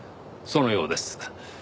そのようです。